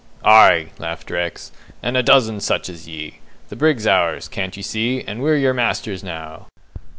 "Aye," laughed Rex, "and a dozen such as ye! The brig's ours, can't ye see, and we're your masters now!"